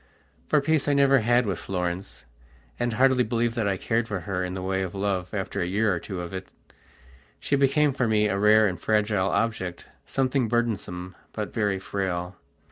For peace I never had with Florence, and hardly believe that I cared for her in the way of love after a year or two of it. She became for me a rare and fragile object, something burdensome, but very frail.